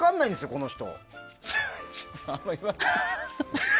この人。